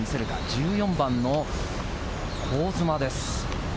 １４番の香妻です。